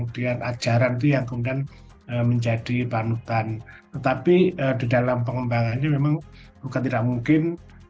dan ajaran yang kemudian menjadi panutan tetapi di dalam pengembangannya memang bukan tidak mungkin